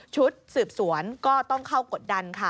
ชุดสืบสวนก็ต้องเข้ากดดันค่ะ